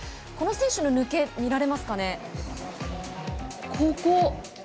この選手の抜け見られますかね。